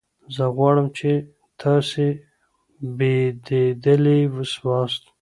زه غواړم چي تاسي بېدېدلي سواست.